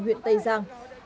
huyện tây giang